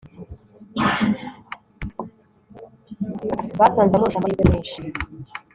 basanze amurusha amahirwe menshi